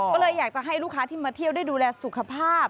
ก็เลยอยากจะให้ลูกค้าที่มาเที่ยวได้ดูแลสุขภาพ